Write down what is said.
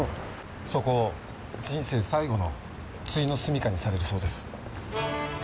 そこを人生最後の終のすみかにされるそうです。